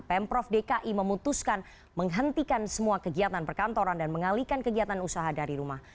pemprov dki memutuskan menghentikan semua kegiatan perkantoran dan mengalihkan kegiatan usaha dari rumah